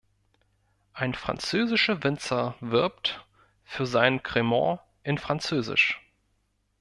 Ein französischer Winzer wirbt für seinen Cremant in Französisch.